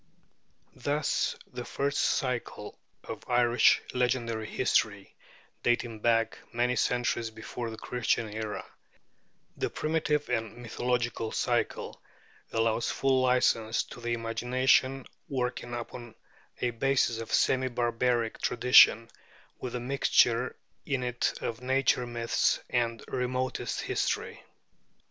Thus the first cycle of Irish legendary history, dating back many centuries before the Christian era, the primitive and mythological cycle, allows full license to the imagination, working upon a basis of semi barbaric tradition, with a mixture in it of nature myths and remotest history.